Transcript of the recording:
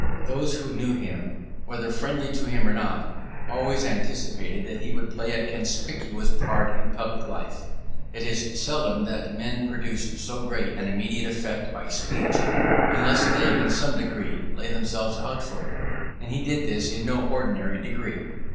Those who knew him, whether friendly to him or not, always anticipated that he would play a conspicuous part in public life. It is seldom that men produce so great an immediate effect by speech, unless they, in some degree, lay themselves out for it; and he did this in no ordinary degree.